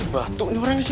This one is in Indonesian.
batuk nih orangnya sih